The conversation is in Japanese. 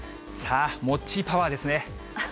モッチーパワーですね。